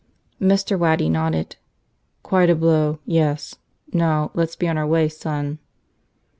Mr. Waddy nodded. "Quite a blow. Yes. Now let's be on our way, son."